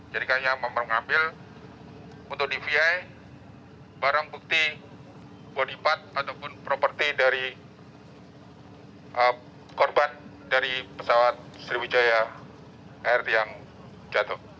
jadi kami akan mengambil untuk dvi barang bukti body part ataupun properti dari korban dari pesawat sriwijaya air yang jatuh